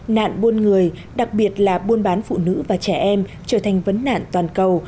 nạn buôn người đặc biệt là buôn bán phụ nữ và trẻ em trở thành vấn nạn toàn cầu